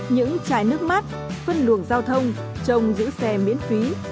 những trái nước mắt phân luồng giao thông trồng giữ xe miễn phí